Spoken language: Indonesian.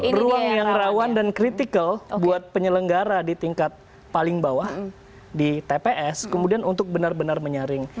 ruang yang rawan dan kritikal buat penyelenggara di tingkat paling bawah di tps kemudian untuk benar benar menyaring